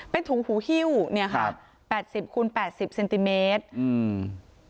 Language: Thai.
เป็นถุงหูฮิ้วเนี้ยค่ะแปดสิบคูณแปดสิบเซนติเมตรอืม